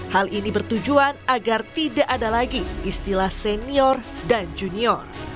hal ini bertujuan agar tidak ada lagi istilah senior dan junior